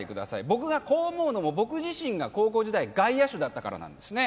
僕がこう思うのも僕自身が高校時代外野手だったからなんですね